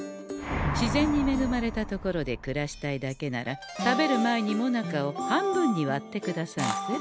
自然にめぐまれた所で暮らしたいだけなら食べる前にもなかを半分に割ってくださんせ。